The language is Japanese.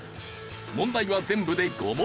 問題は全部で５問。